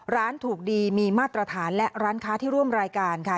ร้านถูกดีมีมาตรฐานและร้านค้าที่ร่วมรายการค่ะ